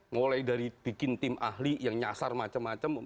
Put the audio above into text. mulai dari bikin tim ahli yang nyasar macam macam